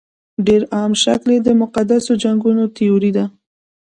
ډېر عام شکل یې د مقدسو جنګونو تیوري ده.